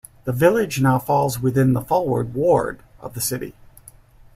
The village now falls within the Fulwood ward of the City.